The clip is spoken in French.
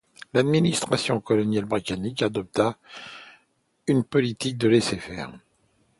L'administration coloniale britannique adopta une politique de laisser-faire.